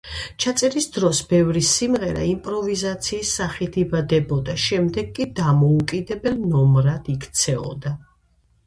ჩაწერის დროს ბევრი სიმღერა იმპროვიზაციის სახით იბადებოდა, შემდეგ კი დამოუკიდებელ ნომრად იქცეოდა.